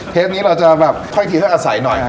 เทปนี้เราจะทำอย่างใภที่และอาศัยหน่อย